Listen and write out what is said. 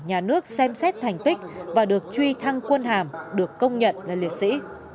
nhà nước xem xét thành tích và được truy thăng quân hàm được công nhận là liệt sĩ